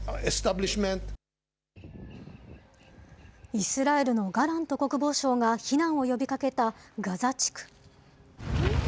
イスラエルのガラント国防相が避難を呼びかけたガザ地区。